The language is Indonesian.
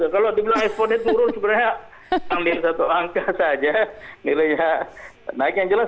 kalau dibilang ekspornya turun sebenarnya yang lihat satu angka saja nilainya naik yang jelas